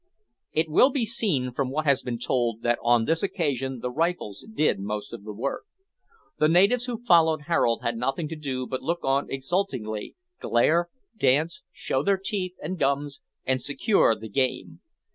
It will be seen from what has been told, that on this occasion the rifles did most of the work. The natives who followed Harold had nothing to do but look on exultingly, glare, dance, show their teeth and gums, and secure the game.